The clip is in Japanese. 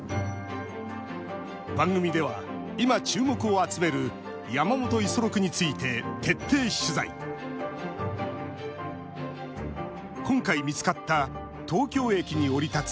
番組では今注目を集める山本五十六について徹底取材今回見つかった東京駅に降り立つ